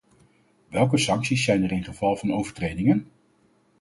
Welke sancties zijn er in geval van overtredingen?